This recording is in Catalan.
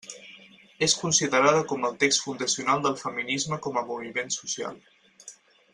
És considerada com el text fundacional del feminisme com a moviment social.